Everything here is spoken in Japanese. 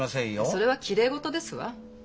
それはきれい事ですわ。